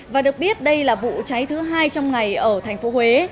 và được biết đây là vụ cháy thứ hai trong ngày ở thành phố huế